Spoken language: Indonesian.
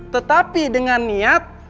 tetapi dengan niat